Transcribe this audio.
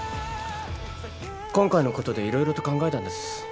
今回のことでいろいろと考えたんです。